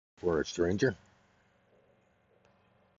Putsch, early Forest Ranger.